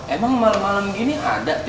emang malam malam ini ada